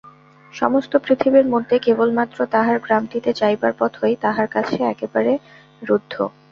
সমস্ত পৃথিবীর মধ্যে কেবলমাত্র তাহার গ্রামটিতে যাইবার পথই তাহার কাছে একেবারে রুদ্ধ।